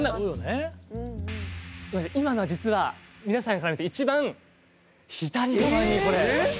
今の実は皆さんから見て一番左側に入ってて。